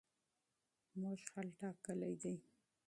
موږ حل ټاکلی دی.